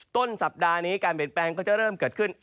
ต้นสัปดาห์นี้การเปลี่ยนแปลงก็จะเริ่มเกิดขึ้น